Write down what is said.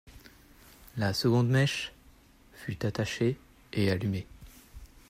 La seconde mèche, fut attachée et allumée.